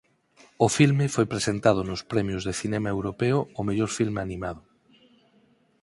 O filme foi presentado nos Premios de Cinema Europeo ó mellor filme animado.